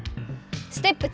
ステップ２